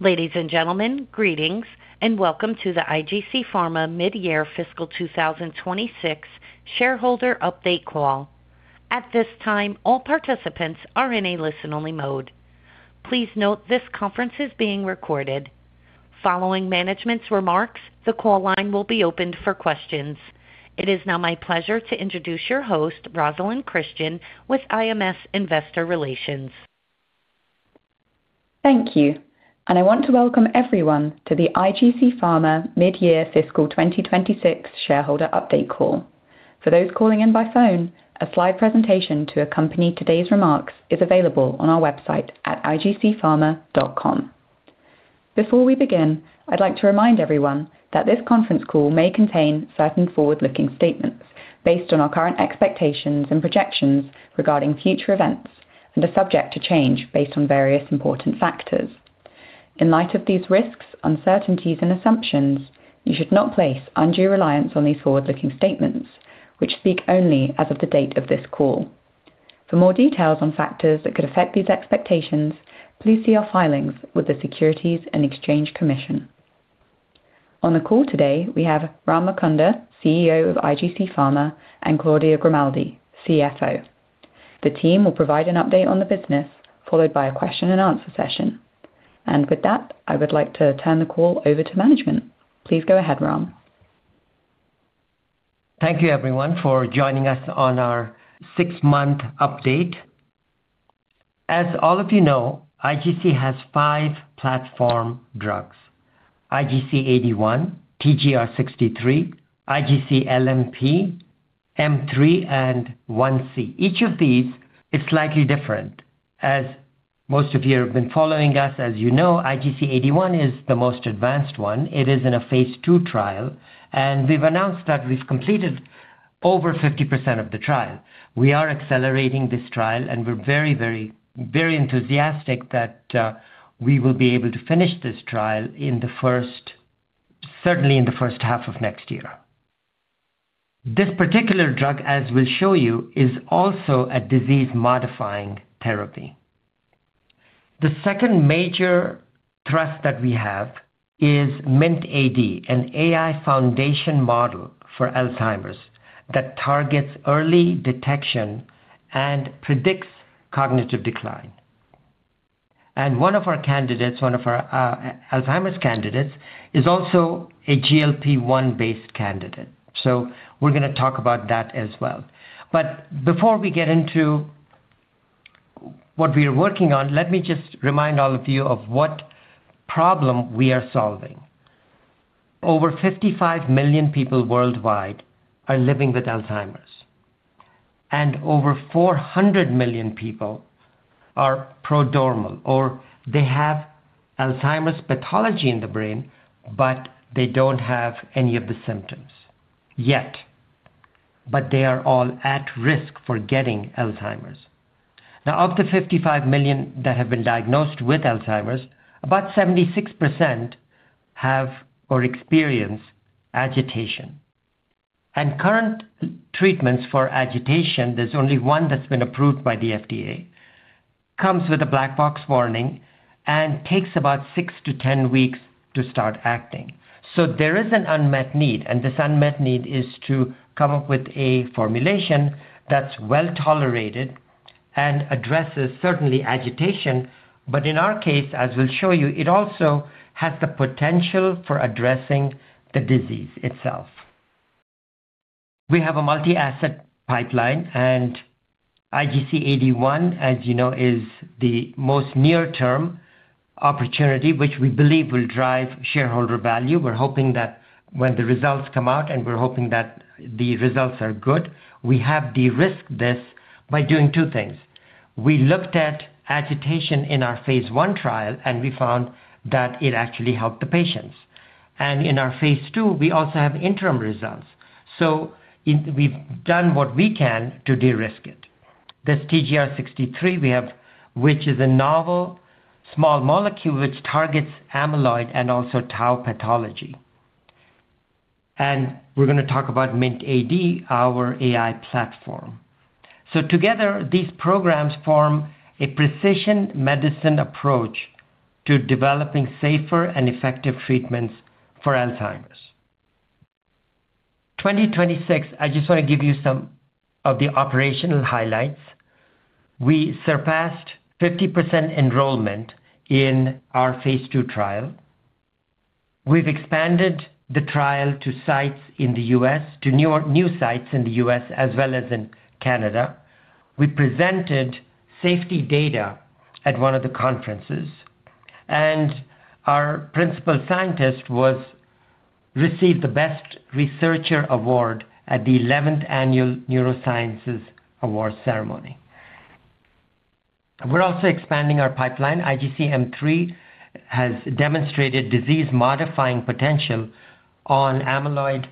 Ladies and gentlemen, greetings, and welcome to the IGC Pharma mid-year fiscal 2026 shareholder update call. At this time, all participants are in a listen-only mode. Please note this conference is being recorded. Following management's remarks, the call line will be opened for questions. It is now my pleasure to introduce your host, Rosalyn Christian, with IMS Investor Relations. Thank you, and I want to welcome everyone to the IGC Pharma mid-year fiscal 2026 shareholder update call. For those calling in by phone, a slide presentation to accompany today's remarks is available on our website at igcpharma.com. Before we begin, I'd like to remind everyone that this conference call may contain certain forward-looking statements based on our current expectations and projections regarding future events and are subject to change based on various important factors. In light of these risks, uncertainties, and assumptions, you should not place undue reliance on these forward-looking statements, which speak only as of the date of this call. For more details on factors that could affect these expectations, please see our filings with the Securities and Exchange Commission. On the call today, we have Ram Mukunda, CEO of IGC Pharma, and Claudia Grimaldi, CFO. The team will provide an update on the business, followed by a question-and-answer session. I would like to turn the call over to management. Please go ahead, Ram. Thank you, everyone, for joining us on our six-month update. As all of you know, IGC has five platform drugs: IGC 81, TGR 63, IGC LMP, M3, and 1C. Each of these is slightly different. As most of you have been following us, as you know, IGC 81 is the most advanced one. It is in a phase two trial, and we've announced that we've completed over 50% of the trial. We are accelerating this trial, and we're very, very, very enthusiastic that we will be able to finish this trial in the first, certainly in the first half of next year. This particular drug, as we'll show you, is also a disease-modifying therapy. The second major thrust that we have is MINT-AD, an AI foundation model for Alzheimer's that targets early detection and predicts cognitive decline. One of our candidates, one of our Alzheimer's candidates, is also a GLP-1-based candidate. We are going to talk about that as well. Before we get into what we are working on, let me just remind all of you of what problem we are solving. Over 55 million people worldwide are living with Alzheimer's, and over 400 million people are prodromal, or they have Alzheimer's pathology in the brain, but they do not have any of the symptoms yet. They are all at risk for getting Alzheimer's. Of the 55 million that have been diagnosed with Alzheimer's, about 76% have or experience agitation. Current treatments for agitation, there is only one that has been approved by the FDA, comes with a black box warning and takes about 6-10 weeks to Rosalynt acting. There is an unmet need, and this unmet need is to come up with a formulation that's well tolerated and addresses certainly agitation. In our case, as we'll show you, it also has the potential for addressing the disease itself. We have a multi-asset pipeline, and IGC 81, as you know, is the most near-term opportunity, which we believe will drive shareholder value. We're hoping that when the results come out, and we're hoping that the results are good, we have de-risked this by doing two things. We looked at agitation in our phase one trial, and we found that it actually helped the patients. In our phase two, we also have interim results. We've done what we can to de-risk it. This TGR 63 we have, which is a novel small molecule, targets amyloid and also tau pathology. We're going to talk about MINT-AD, our AI platform. Together, these programs form a precision medicine approach to developing safer and effective treatments for Alzheimer's. In 2026, I just want to give you some of the operational highlights. We surpassed 50% enrollment in our phase two trial. We've expanded the trial to new sites in the U.S., as well as in Canada. We presented safety data at one of the conferences, and our principal scientist received the Best Researcher Award at the 11th Annual Neurosciences Awards ceremony. We're also expanding our pipeline. IGC M3 has demonstrated disease-modifying potential on amyloid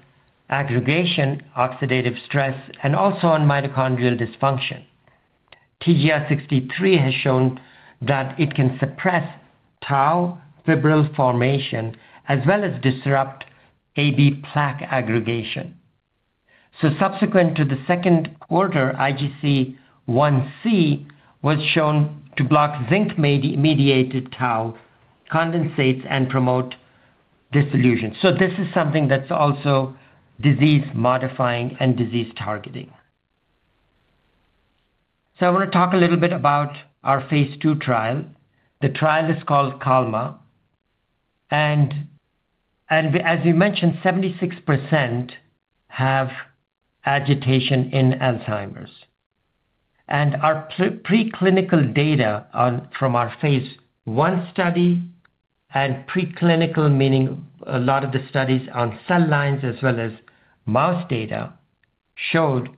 aggregation, oxidative stress, and also on mitochondrial dysfunction. TGR 63 has shown that it can suppress tau fibril formation as well as disrupt A beta plaque aggregation. Subsequent to the second quarter, IGC 1C was shown to block zinc-mediated tau condensates and promote disillusion. This is something that's also disease-modifying and disease targeting. I want to talk a little bit about our phase two trial. The trial is called CALMA, and as we mentioned, 76% have agitation in Alzheimer's. Our preclinical data from our phase one study, and preclinical meaning a lot of the studies on cell lines as well as mouse data, showed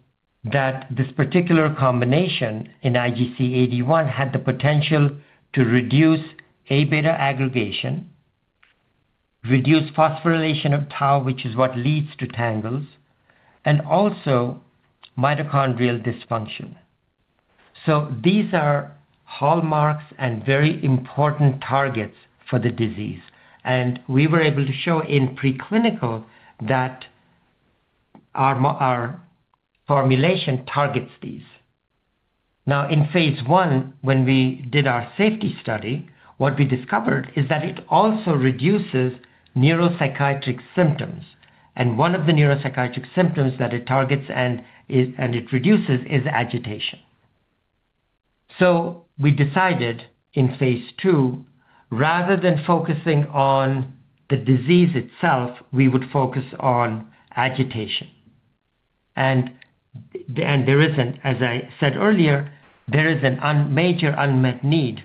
that this particular combination in IGC 81 had the potential to reduce A beta aggregation, reduce phosphorylation of tau, which is what leads to tangles, and also mitochondrial dysfunction. These are hallmarks and very important targets for the disease. We were able to show in preclinical that our formulation targets these. Now, in phase one, when we did our safety study, what we discovered is that it also reduces neuropsychiatric symptoms. One of the neuropsychiatric symptoms that it targets and it reduces is agitation. We decided in phase two, rather than focusing on the disease itself, we would focus on agitation. There is, as I said earlier, a major unmet need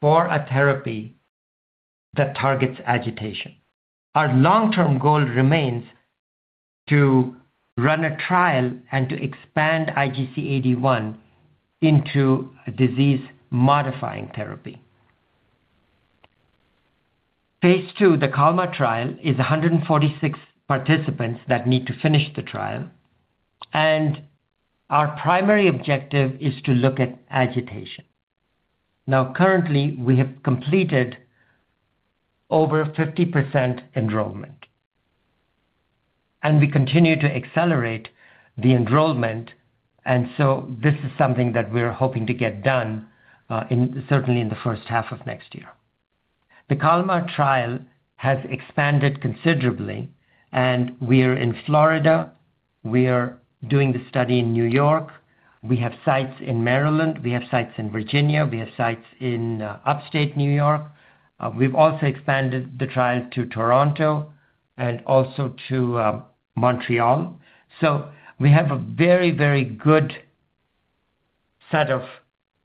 for a therapy that targets agitation. Our long-term goal remains to run a trial and to expand IGC 81 into a disease-modifying therapy. Phase two, the CALMA trial, is 146 participants that need to finish the trial. Our primary objective is to look at agitation. Currently, we have completed over 50% enrollment. We continue to accelerate the enrollment. This is something that we're hoping to get done, certainly in the first half of next year. The CALMA trial has expanded considerably, and we are in Florida. We are doing the study in New York. We have sites in Maryland. We have sites in Virginia. We have sites in upstate New York. We've also expanded the trial to Toronto and also to Montreal. We have a very, very good set of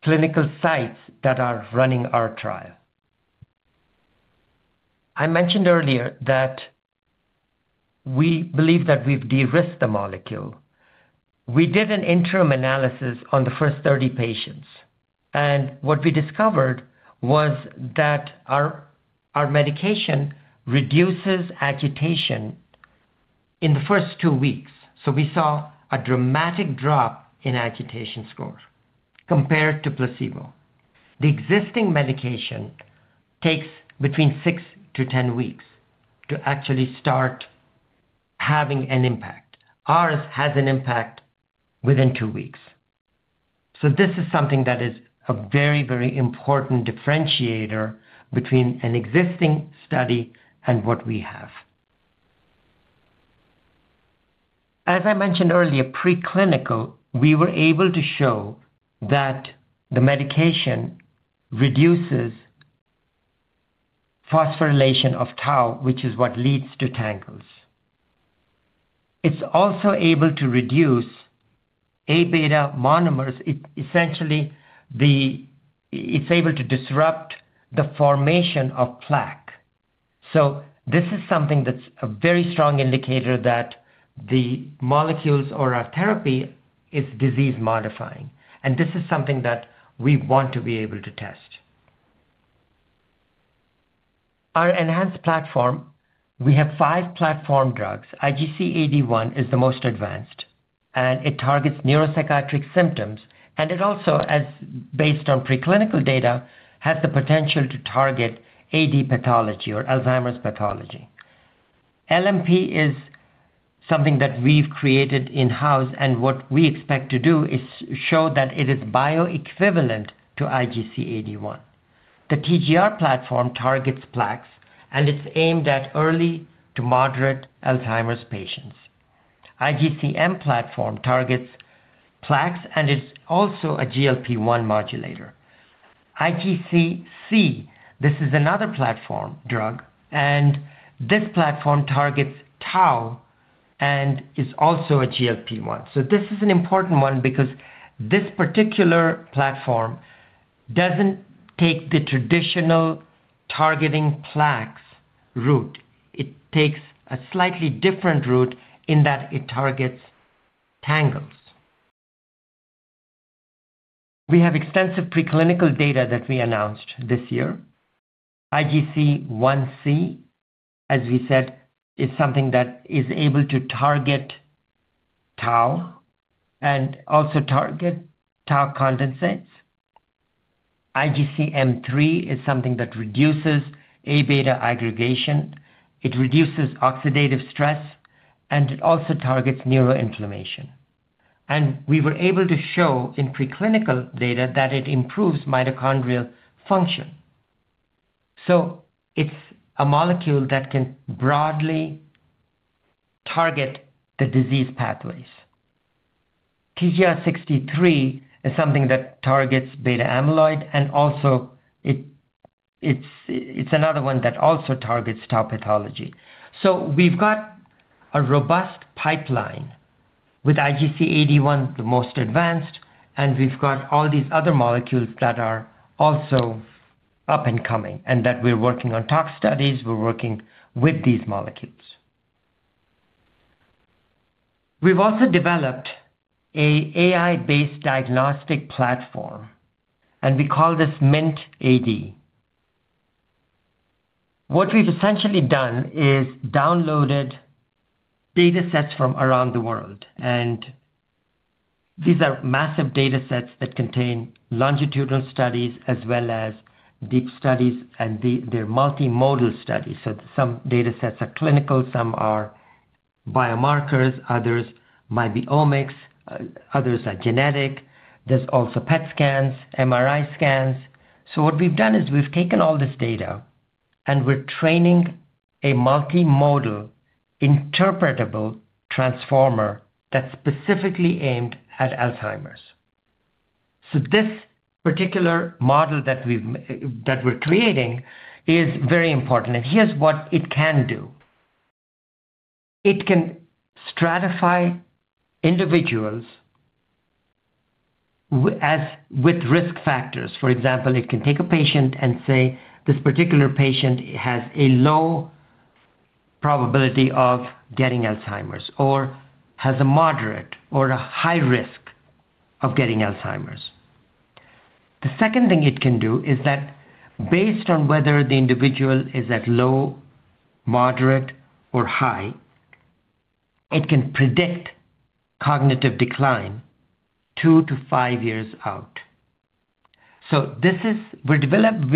clinical sites that are running our trial. I mentioned earlier that we believe that we've de-risked the molecule. We did an interim analysis on the first 30 patients. What we discovered was that our medication reduces agitation in the first two weeks. We saw a dramatic drop in agitation score compared to placebo. The existing medication takes between 6-10 weeks to actually Rosalynt having an impact. Ours has an impact within two weeks. This is something that is a very, very important differentiator between an existing study and what we have. As I mentioned earlier, preclinical, we were able to show that the medication reduces phosphorylation of tau, which is what leads to tangles. It's also able to reduce A beta monomers. Essentially, it's able to disrupt the formation of plaque. This is something that's a very strong indicator that the molecules or our therapy is disease-modifying. This is something that we want to be able to test. Our enhanced platform, we have five platform drugs. IGC 81 is the most advanced, and it targets neuropsychiatric symptoms. It also, based on preclinical data, has the potential to target AD pathology or Alzheimer's pathology. IGC LMP is something that we've created in-house, and what we expect to do is show that it is bioequivalent to IGC 81. The TGR 63 platform targets plaques, and it's aimed at early to moderate Alzheimer's patients. IGC M platform targets plaques, and it's also a GLP-1 modulator. IGC 1C, this is another platform drug, and this platform targets tau and is also a GLP-1. This is an important one because this particular platform does not take the traditional targeting plaques route. It takes a slightly different route in that it targets tangles. We have extensive preclinical data that we announced this year. IGC 1C, as we said, is something that is able to target tau and also target tau condensates. IGC M3 is something that reduces A beta aggregation. It reduces oxidative stress, and it also targets neuroinflammation. We were able to show in preclinical data that it improves mitochondrial function. It is a molecule that can broadly target the disease pathways. TGR 63 is something that targets beta amyloid, and also it is another one that also targets tau pathology. We have a robust pipeline with IGC 81, the most advanced, and we have all these other molecules that are also up and coming and that we are working on talk studies. We're working with these molecules. We've also developed an AI-based diagnostic platform, and we call this MINT-AD. What we've essentially done is downloaded data sets from around the world, and these are massive data sets that contain longitudinal studies as well as deep studies and they're multimodal studies. Some data sets are clinical, some are biomarkers, others might be omics, others are genetic. There's also PET scans, MRI scans. What we've done is we've taken all this data, and we're training a multimodal interpretable transformer that's specifically aimed at Alzheimer's. This particular model that we're creating is very important, and here's what it can do. It can stratify individuals with risk factors. For example, it can take a patient and say, "This particular patient has a low probability of getting Alzheimer's or has a moderate or a high risk of getting Alzheimer's." The second thing it can do is that based on whether the individual is at low, moderate, or high, it can predict cognitive decline two to five years out. We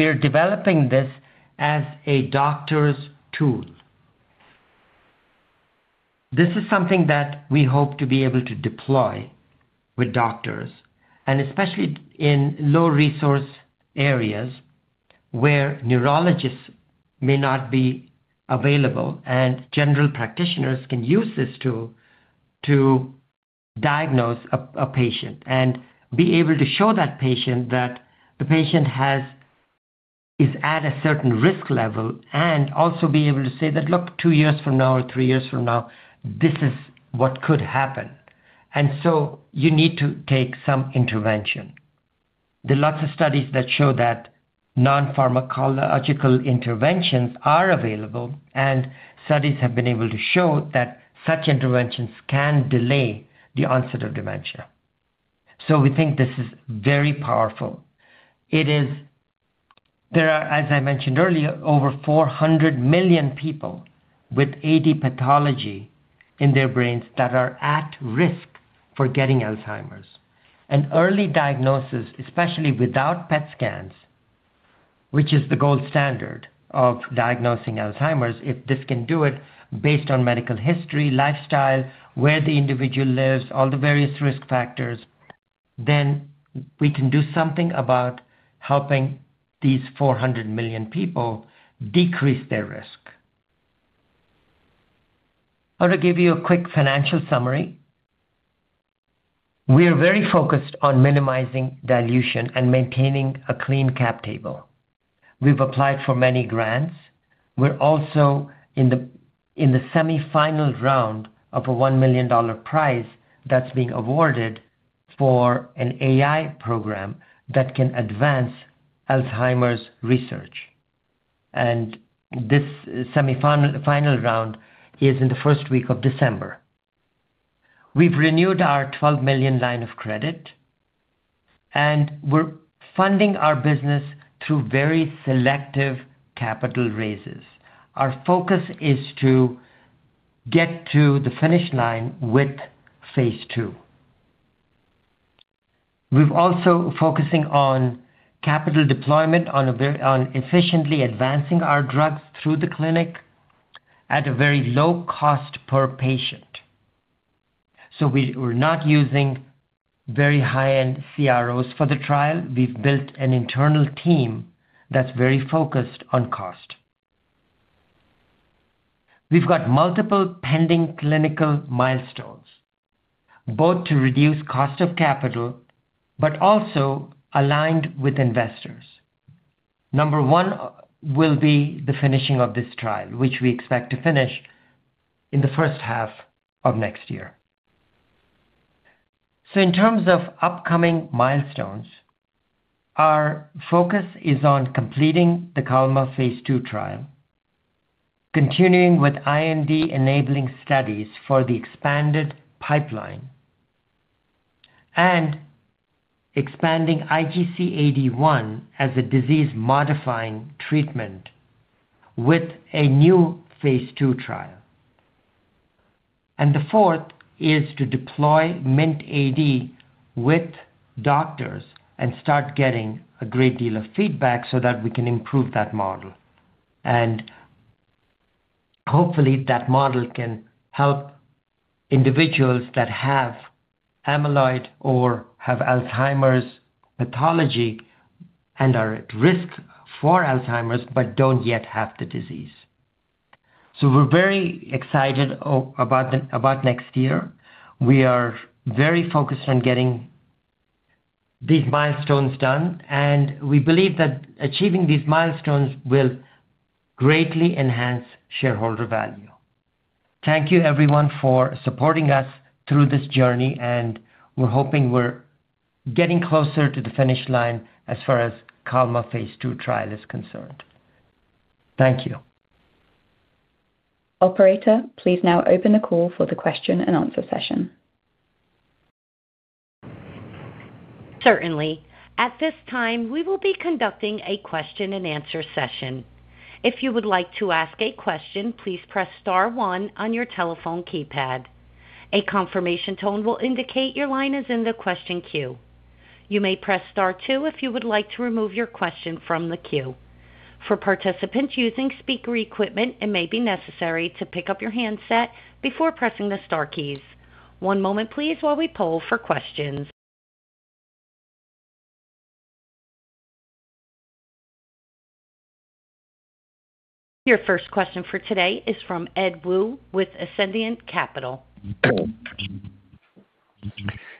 are developing this as a doctor's tool. This is something that we hope to be able to deploy with doctors, especially in low-resource areas where neurologists may not be available, and general practitioners can use this tool to diagnose a patient and be able to show that patient that the patient is at a certain risk level and also be able to say that, "Look, two years from now or three years from now, this is what could happen." You need to take some intervention. There are lots of studies that show that non-pharmacological interventions are available, and studies have been able to show that such interventions can delay the onset of dementia. We think this is very powerful. There are, as I mentioned earlier, over 400 million people with AD pathology in their brains that are at risk for getting Alzheimer's. An early diagnosis, especially without PET scans, which is the gold standard of diagnosing Alzheimer's, if this can do it based on medical history, lifestyle, where the individual lives, all the various risk factors, then we can do something about helping these 400 million people decrease their risk. I want to give you a quick financial summary. We are very focused on minimizing dilution and maintaining a clean cap table. We've applied for many grants. We're also in the semi-final round of a $1 million prize that's being awarded for an AI program that can advance Alzheimer's research. This semi-final round is in the first week of December. We've renewed our $12 million line of credit, and we're funding our business through very selective capital raises. Our focus is to get to the finish line with phase two. We're also focusing on capital deployment, on efficiently advancing our drugs through the clinic at a very low cost per patient. We're not using very high-end CROs for the trial. We've built an internal team that's very focused on cost. We've got multiple pending clinical milestones, both to reduce cost of capital but also aligned with investors. Number one will be the finishing of this trial, which we expect to finish in the first half of next year. In terms of upcoming milestones, our focus is on completing the CALMA phase two trial, continuing with IND enabling studies for the expanded pipeline, and expanding IGC 81 as a disease-modifying treatment with a new phase two trial. The fourth is to deploy MINT-AD with doctors and *t getting a great deal of feedback so that we can improve that model. Hopefully, that model can help individuals that have amyloid or have Alzheimer's pathology and are at risk for Alzheimer's but do not yet have the disease. We are very excited about next year. We are very focused on getting these milestones done, and we believe that achieving these milestones will greatly enhance shareholder value. Thank you, everyone, for supporting us through this journey, and we are hoping we are getting closer to the finish line as far as CALMA phase two trial is concerned. Thank you. Operator, please now open the call for the question and answer session. Certainly. At this time, we will be conducting a question and answer session. If you would like to ask a question, please press * one on your telephone keypad. A confirmation tone will indicate your line is in the question queue. You may press * two if you would like to remove your question from the queue. For participants using speaker equipment, it may be necessary to pick up your handset before pressing the * keys. One moment, please, while we poll for questions. Your first question for today is from Ed Wu with Ascendiant Capital.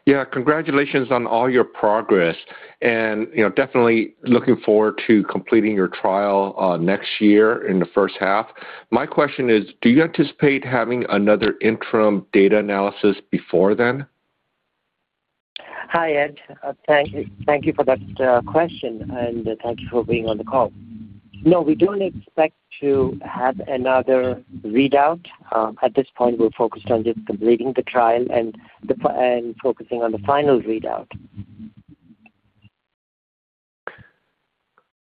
Yeah. Congratulations on all your progress. Definitely looking forward to completing your trial next year in the first half. My question is, do you anticipate having another interim data analysis before then? Hi, Ed. Thank you for that question, and thank you for being on the call. No, we do not expect to have another readout. At this point, we are focused on just completing the trial and focusing on the final readout.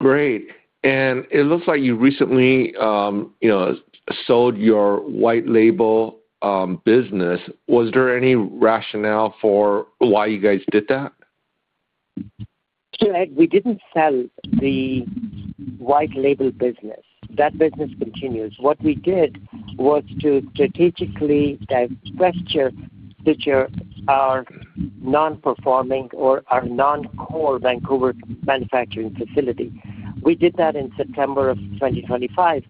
Great. It looks like you recently sold your white label business. Was there any rationale for why you guys did that? Ed, we did not sell the white label business. That business continues. What we did was to strategically divest our non-performing or our non-core Vancouver manufacturing facility. We did that in September of 2025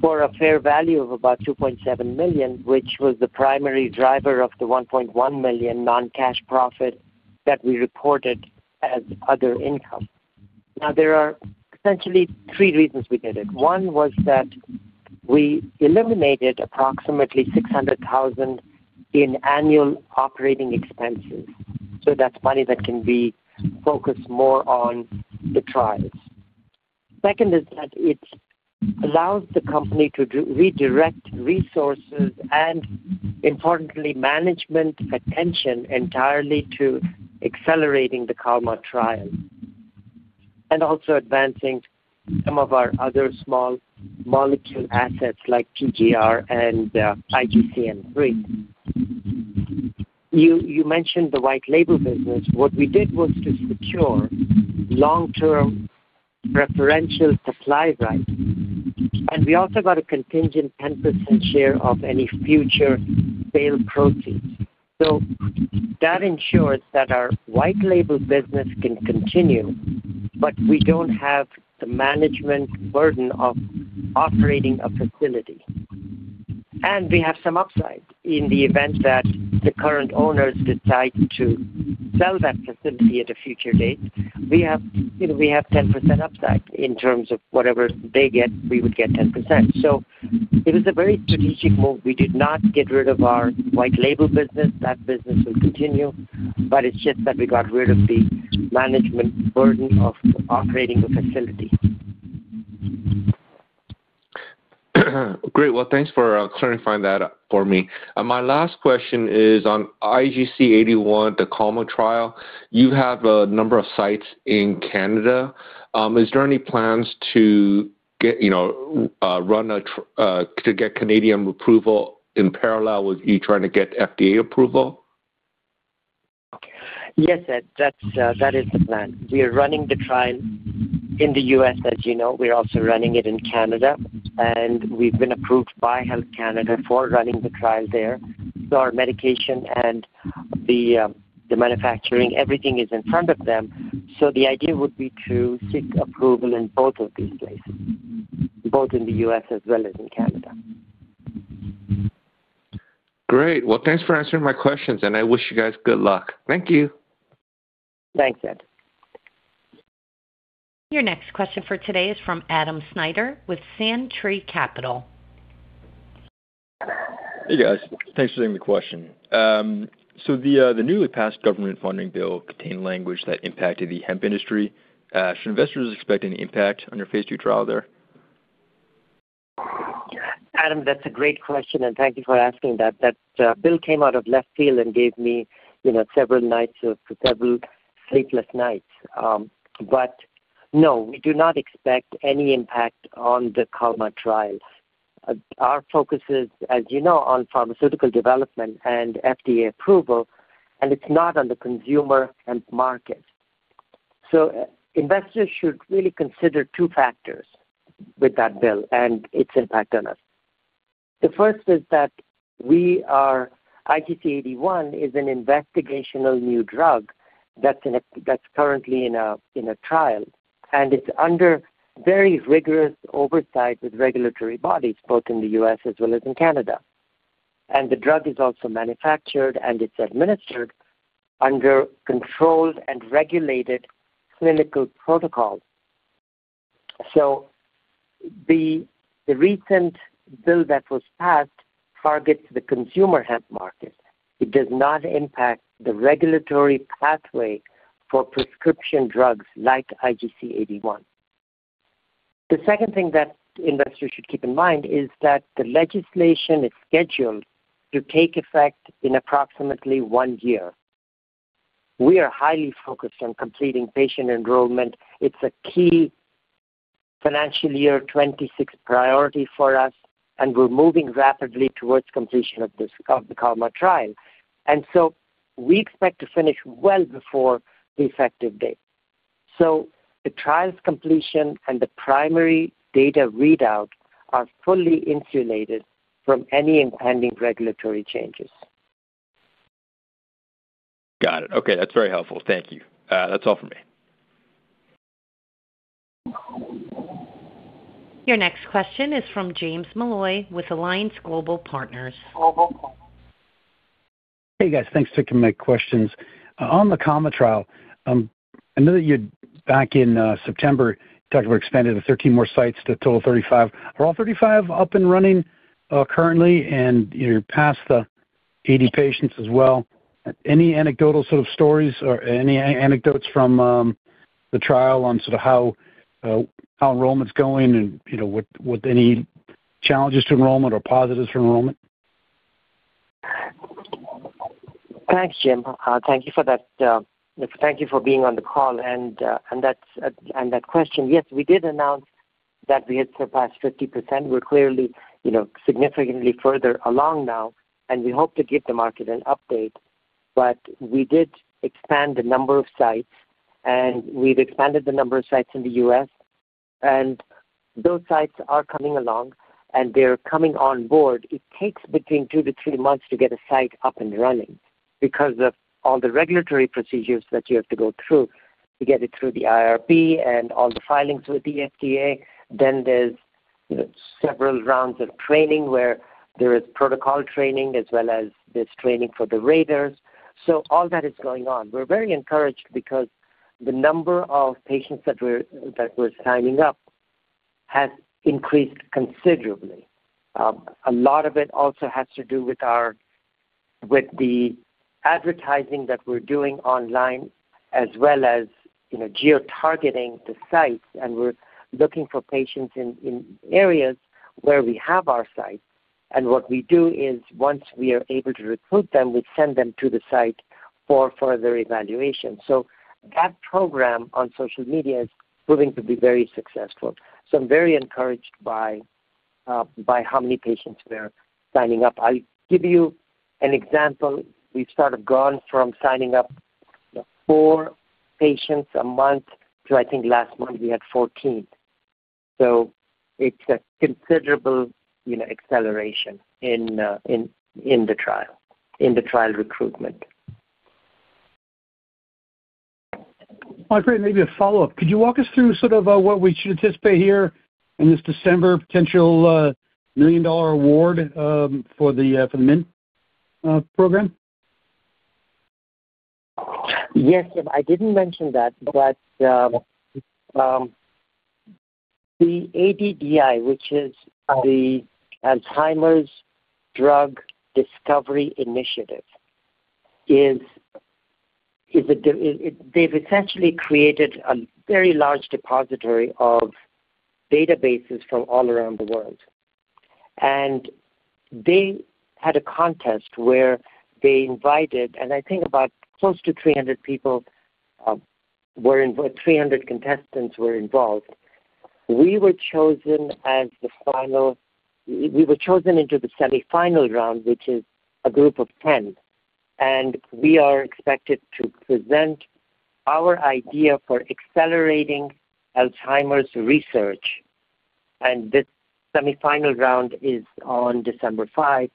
for a fair value of about $2.7 million, which was the primary driver of the $1.1 million non-cash profit that we reported as other income. There are essentially three reasons we did it. One was that we eliminated approximately $600,000 in annual operating expenses. That is money that can be focused more on the trials. Second is that it allows the company to redirect resources and, importantly, management attention entirely to accelerating the CALMA trial and also advancing some of our other small molecule assets like TGR and IGC M3. You mentioned the white label business. What we did was to secure long-term preferential supply rights, and we also got a contingent 10% share of any future sale proceeds. That ensures that our white label business can continue, but we do not have the management burden of operating a facility. We have some upside in the event that the current owners decide to sell that facility at a future date. We have 10% upside in terms of whatever they get, we would get 10%. It was a very strategic move. We did not get rid of our white label business. That business will continue, but it's just that we got rid of the management burden of operating the facility. Great. Thanks for clarifying that for me. My last question is on IGC 81, the CALMA trial. You have a number of sites in Canada. Is there any plans to run to get Canadian approval in parallel with you trying to get FDA approval? Yes, Ed. That is the plan. We are running the trial in the U.S., as you know. We're also running it in Canada, and we've been approved by Health Canada for running the trial there. Our medication and the manufacturing, everything is in front of them. The idea would be to seek approval in both of these places, both in the U.S. as well as in Canada. Great. Thanks for answering my questions, and I wish you guys good luck. Thank you. Thanks, Ed. Your next question for today is from Adam Snyder with Sandtree Capital. Hey, guys. Thanks for taking the question. The newly passed government funding bill contained language that impacted the hemp industry. Should investors expect any impact on your phase two trial there? Adam, that's a great question, and thank you for asking that. That bill came out of left field and gave me several nights of several sleepless nights. No, we do not expect any impact on the CALMA trial. Our focus is, as you know, on pharmaceutical development and FDA approval, and it's not on the consumer hemp market. Investors should really consider two factors with that bill and its impact on us. The first is that IGC 81 is an investigational new drug that's currently in a trial, and it's under very rigorous oversight with regulatory bodies, both in the U.S. as well as in Canada. The drug is also manufactured and it's administered under controlled and regulated clinical protocols. The recent bill that was passed targets the consumer hemp market. It does not impact the regulatory pathway for prescription drugs like IGC 81. The second thing that investors should keep in mind is that the legislation is scheduled to take effect in approximately one year. We are highly focused on completing patient enrollment. It's a key financial year 2026 priority for us, and we're moving rapidly towards completion of the CALMA trial. We expect to finish well before the effective date. The trial's completion and the primary data readout are fully insulated from any impending regulatory changes. Got it. Okay. That's very helpful. Thank you. That's all for me. Your next question is from James Malloy with Alliance Global Partners. Hey, guys. Thanks for taking my questions. On the CALMA trial, I know that you had back in September talked about expanding to 13 more sites to a total of 35. Are all 35 up and running currently and past the 80 patients as well? Any anecdotal sort of stories or any anecdotes from the trial on sort of how enrollment's going and with any challenges to enrollment or positives for enrollment? Thanks, Jim. Thank you for that. Thank you for being on the call. And that question, yes, we did announce that we had surpassed 50%. We're clearly significantly further along now, and we hope to give the market an update. We did expand the number of sites, and we've expanded the number of sites in the U.S. Those sites are coming along, and they're coming on board. It takes between two to three months to get a site up and running because of all the regulatory procedures that you have to go through to get it through the IRB and all the filings with the FDA. There are several rounds of training where there is protocol training as well as this training for the raters. All that is going on. We're very encouraged because the number of patients that we're signing up has increased considerably. A lot of it also has to do with the advertising that we're doing online as well as geotargeting the sites. We are looking for patients in areas where we have our sites. What we do is once we are able to recruit them, we send them to the site for further evaluation. That program on social media is proving to be very successful. I am very encouraged by how many patients we are signing up. I will give you an example. We have sort of gone from signing up four patients a month to, I think, last month we had 14. It is a considerable acceleration in the trial recruitment. Maybe a follow-up. Could you walk us through sort of what we should anticipate here in this December potential $1 million award for the MINT program? Yes, Jim. I did not mention that, but the ADDI, which is the Alzheimer's Drug Discovery Initiative, has essentially created a very large depository of databases from all around the world. They had a contest where they invited, and I think about close to 300 people were involved, 300 contestants were involved. We were chosen as the final, we were chosen into the semifinal round, which is a group of 10. We are expected to present our idea for accelerating Alzheimer's research. This semifinal round is on December 5.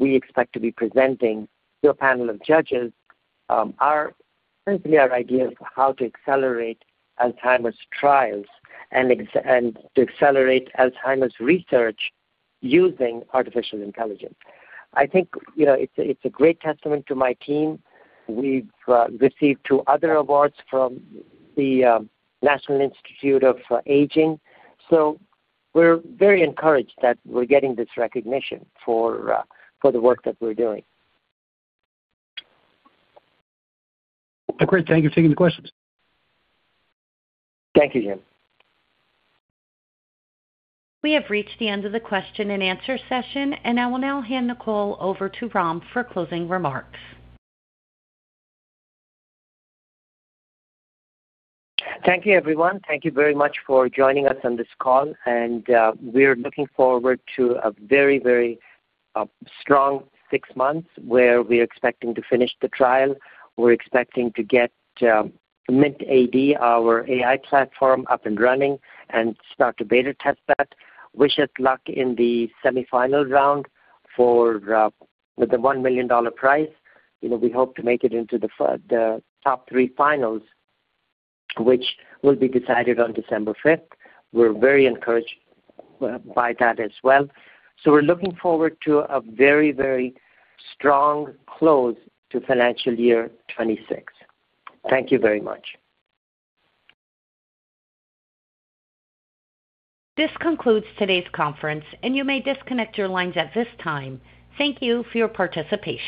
We expect to be presenting to a panel of judges essentially our idea for how to accelerate Alzheimer's trials and to accelerate Alzheimer's research using artificial intelligence. I think it's a great testament to my team. We've received two other awards from the National Institute on Aging. We're very encouraged that we're getting this recognition for the work that we're doing. Great. Thank you for taking the questions. Thank you, Jim. We have reached the end of the question and answer session, and I will now hand the call over to Ram for closing remarks. Thank you, everyone. Thank you very much for joining us on this call. We are looking forward to a very, very strong six months where we are expecting to finish the trial. We are expecting to get MINT-AD, our AI platform, up and running and start to beta test that. Wish us luck in the semifinal round with the $1 million prize. We hope to make it into the top three finals, which will be decided on December 5th. We are very encouraged by that as well. We are looking forward to a very, very strong close to financial year 2026. Thank you very much. This concludes today's conference, and you may disconnect your lines at this time. Thank you for your participation.